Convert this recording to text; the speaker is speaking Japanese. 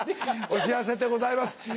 お知らせでございます。